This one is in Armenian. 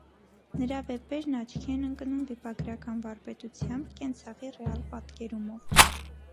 Նրա վեպերն աչքի են ընկնում վիպագրական վարպետությամբ, կենցաղի ռեալ պատկերումով։